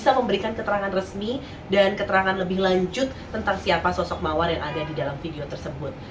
bisa memberikan keterangan resmi dan keterangan lebih lanjut tentang siapa sosok mawar yang ada di dalam video tersebut